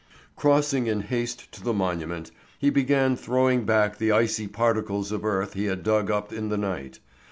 Crossing in haste to the monument, he began throwing back the icy particles of earth he had dug up in the night.